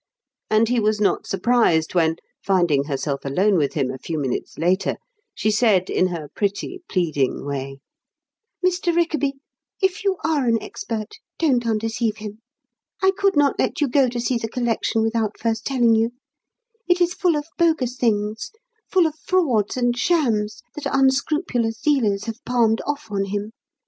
And he was not surprised when, finding herself alone with him a few minutes later, she said, in her pretty, pleading way: "Mr. Rickaby, if you are an expert, don't undeceive him. I could not let you go to see the collection without first telling you. It is full of bogus things, full of frauds and shams that unscrupulous dealers have palmed off on him.